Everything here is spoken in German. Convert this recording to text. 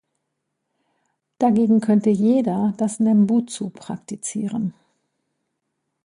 Dagegen könnte jeder das Nembutsu praktizieren.